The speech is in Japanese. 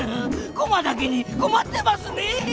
コマだけにコマってますね。